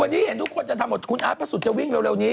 วันนี้เห็นทุกคนจะทำหมดคุณอาร์ตพระสุทธิจะวิ่งเร็วนี้